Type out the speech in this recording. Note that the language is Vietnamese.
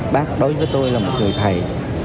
bác đối với tôi là một người thầy